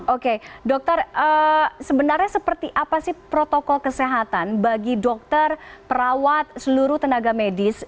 oke dokter sebenarnya seperti apa sih protokol kesehatan bagi dokter perawat seluruh tenaga medis